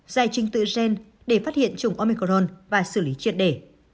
giải trình tự gen để phát hiện chủng omicron và xử lý triệt để